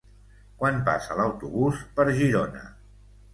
Quan passa l'autobús per Girona?